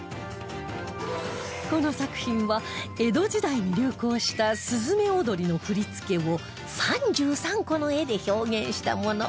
この作品は江戸時代に流行した雀踊りの振り付けを３３個の絵で表現したもの